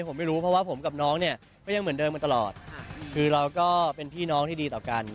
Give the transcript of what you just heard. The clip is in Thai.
ผมไม่รู้เพราะว่าผมกับน้องเนี่ยก็ยังเหมือนเดิมมาตลอดคือเราก็เป็นพี่น้องที่ดีต่อกัน